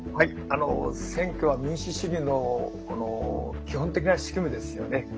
選挙は民主主義の基本的な仕組みですよね。